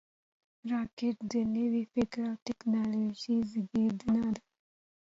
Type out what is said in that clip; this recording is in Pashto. راکټ د نوي فکر او ټېکنالوژۍ زیږنده ده